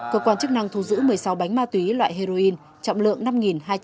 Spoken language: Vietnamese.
cơ quan chức năng thu giữ một mươi sáu bánh ma túy loại heroin trọng lượng năm hai trăm hai mươi năm gram